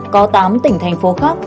có tám tỉnh thành phố khác